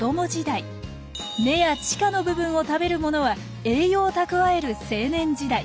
根や地下の部分を食べるものは栄養を蓄える青年時代。